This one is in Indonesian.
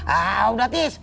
ah udah tis